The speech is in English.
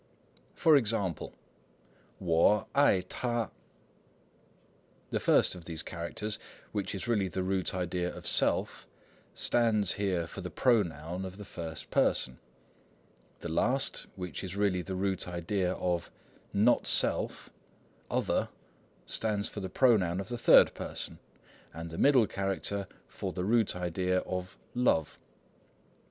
For example: 我爱他 wo ai t'a. The first of these characters, which is really the root idea of "self," stands here for the pronoun of the first person; the last, which is really the root idea of "not self," "other," stands for the pronoun of the third person; and the middle character for the root idea of "love."